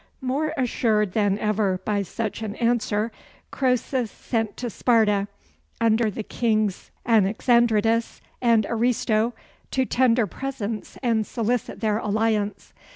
More assured than ever by such an answer, Croesus sent to Sparta, under the kings Anaxandrides and Aristo, to tender presents and solicit their alliance.